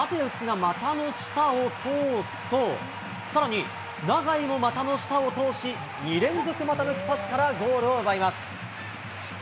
まずはマテウスが股の下を通すと、さらに永井も股の下を通し、２連続股抜きパスからゴールを奪います。